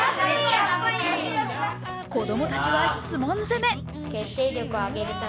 子供たちは質問攻め。